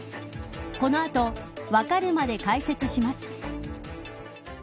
この後、わかるまで解説します。